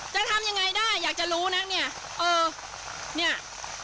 จะทำยังไงได้อยากจะรู้นะเนี่ยเออเนี่ย